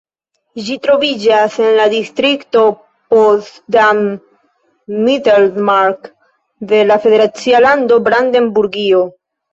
Ĝi troviĝas en la distrikto Potsdam-Mittelmark de la federacia lando Brandenburgio.